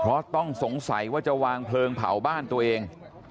เพราะต้องสงสัยว่าจะวางเพลิงเผาบ้านตัวเอง